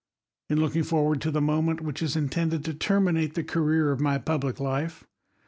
In looking forward to the moment which is intend J ed to terminate the career of my public life, m.